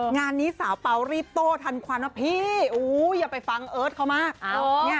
งานนี้สาวเป่ารีบโตทันความว่าพี่อย่าไปฟังเอิ๊ยเตอร์เทอเข้ามา